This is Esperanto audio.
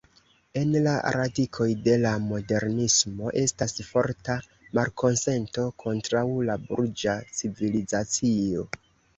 En la radikoj de la Modernismo estas forta malkonsento kontraŭ la burĝa civilizacio.